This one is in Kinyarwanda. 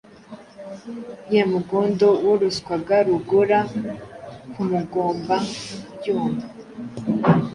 Ye Mugondo woroswaga Rugora Ku mugomba- byuma,